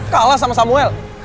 kalah sama samuel